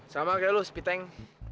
sama kayak lu sepiteng